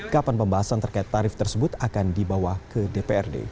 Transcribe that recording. kapan pembahasan terkait tarif tersebut akan dibawa ke dprd